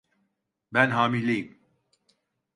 Ben hamileyim.